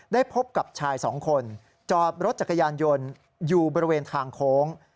พบกับชายสองคนจอดรถจักรยานยนต์อยู่บริเวณทางโค้ง